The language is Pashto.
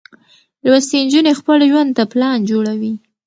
لوستې نجونې خپل ژوند ته پلان جوړوي.